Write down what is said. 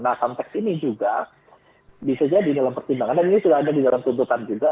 nah konteks ini juga bisa jadi dalam pertimbangan dan ini sudah ada di dalam tuntutan juga